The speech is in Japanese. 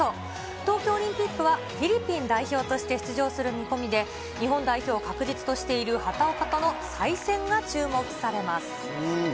東京オリンピックはフィリピン代表として出場する見込みで、日本代表を確実としている畑岡との再戦が注目されます。